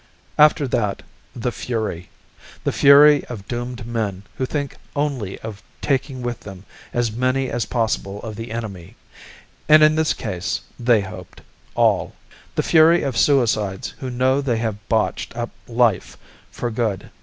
After that, the Fury. The Fury of doomed men who think only of taking with them as many as possible of the enemy, and in this case they hoped all. The Fury of suicides who know they have botched up life for good.